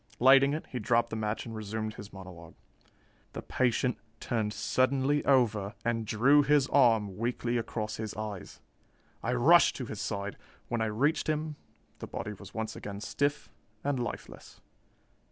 Lighting it, he dropped the match and resumed his monologue. "The patient turned suddenly over and drew his arm weakly across his eyes. I rushed to his side. When I reached him, the body was once again stiff and lifeless.